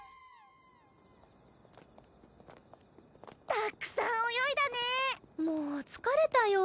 たくさん泳いだねもう疲れたよ